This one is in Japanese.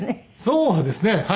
そうですね。